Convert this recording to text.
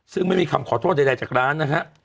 ซึ่งไม่มีคำขอโทษใดจากร้านนะฮะ